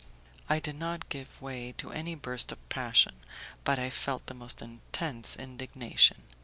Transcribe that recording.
I did not give way to any burst of passion, but I felt the most intense indignation.